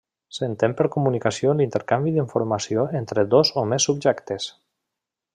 S'entén per comunicació l'intercanvi d'informació entre dos o més subjectes.